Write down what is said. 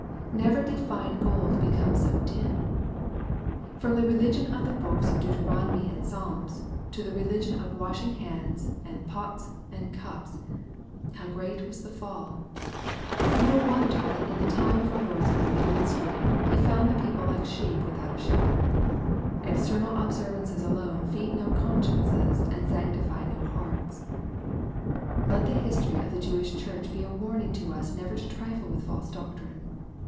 Never did fine gold become so dim 1 From the religion of the books of Deuteronomy and Psalms, to the religion of washing hands, and pots, and cups, how great was the fall ! No wonder that in the time of our Lord's earthly ministry, He found the people like sheep without a shepherd. External observances alone feed no consciences and sanctify no hearts. Let the history of the Jewish church be a warning to us never to trifle with false doctrine.